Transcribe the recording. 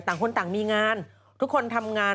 ต่างคนต่างมีงานทุกคนทำงาน